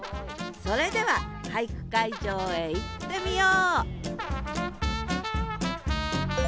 それでは俳句会場へ行ってみよう！